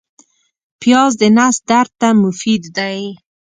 پیاز د نس درد ته مفید دی